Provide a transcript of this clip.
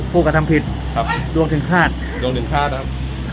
ผู้กระทำผิดครับครับร่วงถึงคราสร่วงถึงภาษาครับ